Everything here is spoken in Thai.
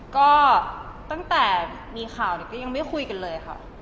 ก็ตั้งแต่มีข่าวก็ยังไม่คุยกันเลยค่ะ